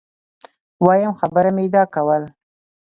وایم خبره مي دا کول